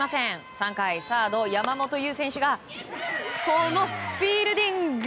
３回サード、山本優選手がこのフィールディング！